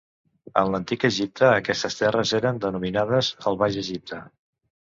En l'Antic Egipte aquestes terres eren denominades el Baix Egipte.